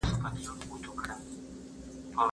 ښوونځې لوستې میندې د ماشومانو د خوړو کیفیت ته پام کوي.